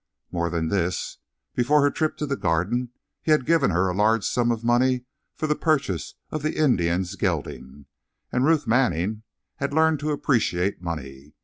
More than this, before her trip to the Garden he had given her a large sum of money for the purchase of the Indian's gelding; and Ruth Manning had learned to appreciate money.